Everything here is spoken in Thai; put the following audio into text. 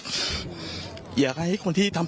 ปี๖๕วันเช่นเดียวกัน